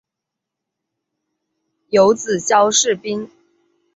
有子萧士赟。